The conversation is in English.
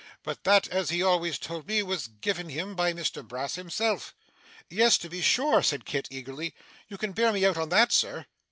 'But that, as he always told me, was given him by Mr Brass himself.' 'Yes to be sure,' said Kit eagerly. 'You can bear me out in that, Sir?